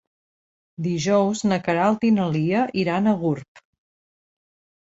Dijous na Queralt i na Lia iran a Gurb.